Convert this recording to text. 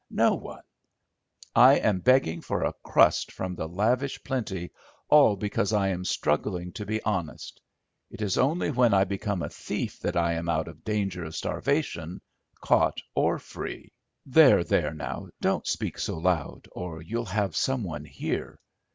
No one. I am begging for a crust from the lavish plenty, all because I am struggling to be honest. It is only when I become a thief that I am out of danger of starvation—caught or free." "There, there; now, don't speak so loud or you'll have some one here.